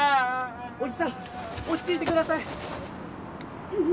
おじさん落ち着いて下さい！